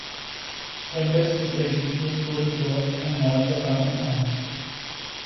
Sein bestes Ergebnis wurde dort ein neunter Rang im Einzel.